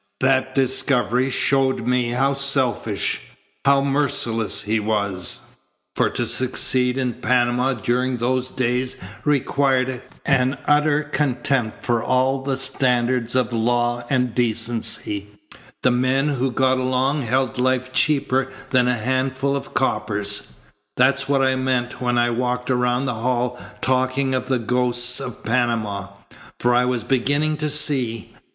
That discovery showed me how selfish, how merciless he was, for to succeed in Panama during those days required an utter contempt for all the standards of law and decency. The men who got along held life cheaper than a handful of coppers. That's what I meant when I walked around the hall talking of the ghosts of Panama. For I was beginning to see.